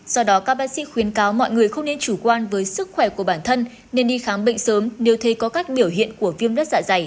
do đó các bác sĩ khuyến cáo mọi người không nên chủ quan với sức khỏe của bản thân nên đi khám bệnh sớm nếu thấy có các biểu hiện của viêm đất dạ dày